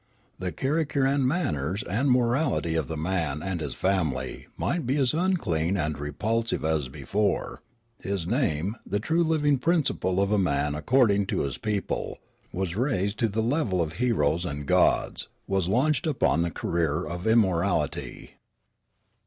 The character and manners and morality of the man and his family might be as unclean and repulsive as before ; his name — the true living principle of a man according to this people — was raised to the level of heroes and gods, was launched upon the career of immortalit}